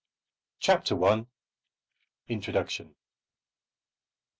CHAPTER I. INTRODUCTION.